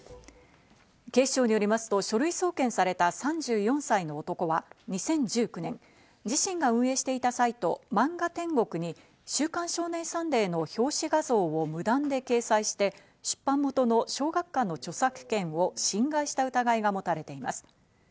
警視庁によりますと書類送検された３４歳の男は２０１９年、自身が運営していたサイト、漫画天国に『週刊少年サンデー』の表紙画像を無断で掲載して、出版元の小学館の著作権を侵害した疑いが持たれています。